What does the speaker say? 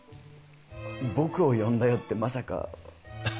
僕を呼んだ用ってまさか。